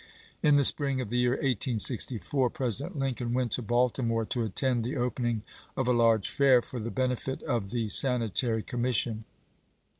In the spring of the year 1864 President Lincoln went to Baltimore to attend the opening of a large fair for the benefit of the Sani tary Commission.